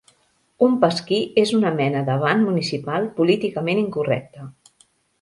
Un pasquí és una mena de ban municipal políticament incorrecte.